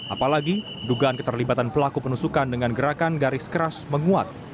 apalagi dugaan keterlibatan pelaku penusukan dengan gerakan garis keras menguat